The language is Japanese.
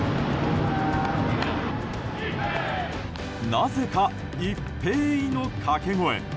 なぜか「イッペーイ」の掛け声。